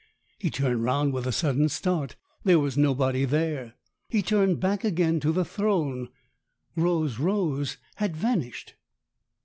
He turned round with a sudden start. There was nobody there. He turned back again to the throne. Rose Rose had vanished.